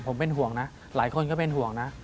ผมเป็นห่วงนะหลายคนก็เป็นห่วงนะ